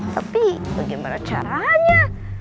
tapi bagaimana caranya